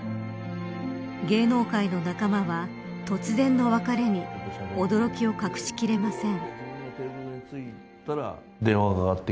芸能界の仲間は突然の別れに驚きを隠し切れません。